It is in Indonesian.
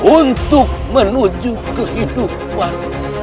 untuk menuju kehidupan